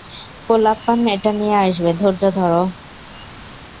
কোলাপ্পান এটা নিয়ে আসবে, ধৈর্য ধর।